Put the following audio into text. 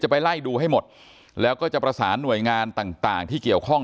ไปไล่ดูให้หมดแล้วก็จะประสานหน่วยงานต่างต่างที่เกี่ยวข้อง